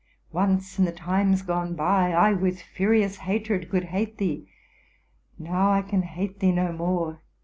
Once, in the times gone by, I with furious hatred could hate thee: Now I can hate thee no more!